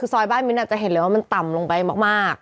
ซอยบ้านมิ้นน่ะจะเห็นเลยว่ามันต่ำลงมาก